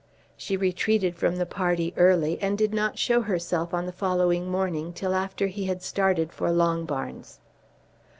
She retreated from the party early, and did not show herself on the following morning till after he had started for Longbarns.